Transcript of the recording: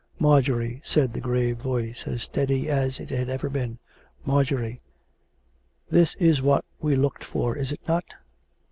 " Marjorie," said the grave voice, as steady as it had ever been, " Marjorie. This is what we looked for, is it not?